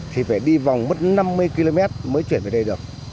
thì phải đi vòng mất năm mươi km mới chuyển về đây được